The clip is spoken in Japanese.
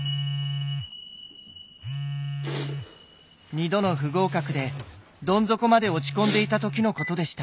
２度の不合格でどん底まで落ち込んでいた時のことでした。